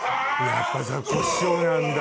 やっぱザコシショウなんだ。